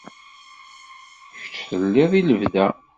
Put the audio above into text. Kečč telliḍ i lebda.